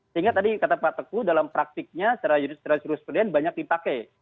sehingga tadi kata pak teguh dalam praktiknya secara jurus kemudian banyak dipakai